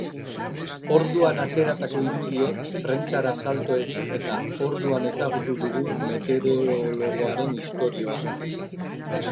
Orduan ateratako irudiek prentsara salto egin eta orduan ezagutu dugu metereologoaren istorioa.